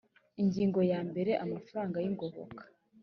ingingo ya mbere amafaranga y ingoboka